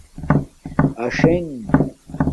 آشنݣ